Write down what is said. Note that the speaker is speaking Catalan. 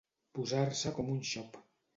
Posar-se com un xop.